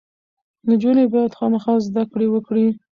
نجونې باید خامخا زده کړې وکړي.